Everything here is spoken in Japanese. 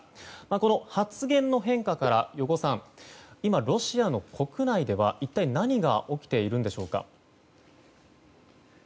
この発言の変化から余語さん、今ロシアの国内では一体何が起きているんでしょうか？